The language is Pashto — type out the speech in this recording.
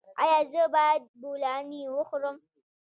ایا زه باید بولاني وخورم؟